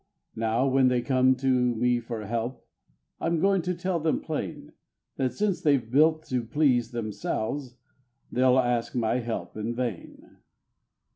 Now when they come to me for help I'm going to tell them, plain, That since they've built to please themselves they'll ask my help in vain."